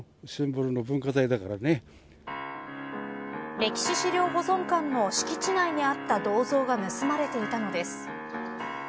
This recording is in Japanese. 歴史資料保存館の敷地内にあった銅像が盗まれていたのです。